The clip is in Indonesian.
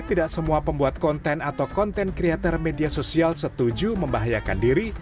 tidak semua pembuat konten atau konten kreator media sosial setuju membahayakan diri